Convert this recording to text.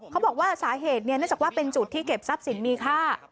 เขาบอกว่าสาเหตุเนื่องจากว่าเป็นจุดที่เก็บทรัพย์สินมีค่า